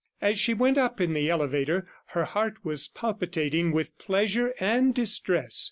As she went up in the elevator, her heart was palpitating with pleasure and distress.